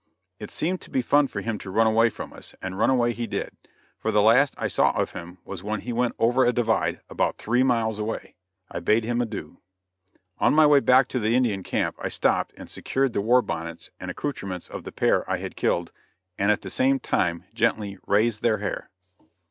It seemed to be fun for him to run away from us, and run away he did, for the last I saw of him was when he went over a divide, about three miles away. I bade him adieu. On my way back to the Indian camp I stopped and secured the war bonnets and accoutrements of the pair I had killed, and at the same time gently "raised their hair."